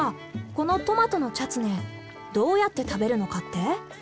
このトマトのチャツネどうやって食べるのかって？